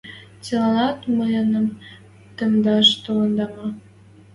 Цилӓнӓт мӹньӹм тымдаш толында ма?!